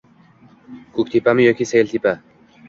Ko‘ktepami yoki Sayiltepa?